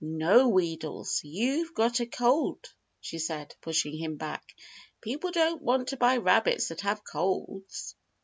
"No, Wheedles, you've got a cold," she said, pushing him back. "People don't want to buy rabbits that have colds."